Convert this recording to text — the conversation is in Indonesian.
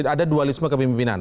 ada dualisme kepimpinan